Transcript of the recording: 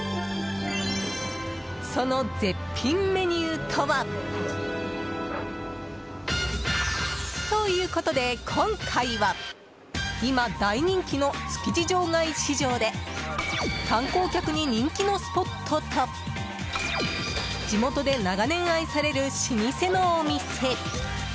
その絶品メニューとは。ということで、今回は今、大人気の築地場外市場で観光客に人気のスポットと地元で長年愛される老舗のお店